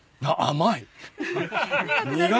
甘い。